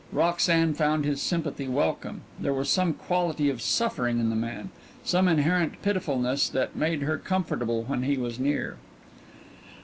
Roxanne found his sympathy welcome there was some quality of suffering in the man, some inherent pitifulness that made her comfortable when he was near.